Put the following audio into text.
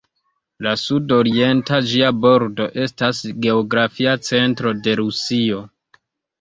La sud-orienta ĝia bordo estas geografia centro de Rusio.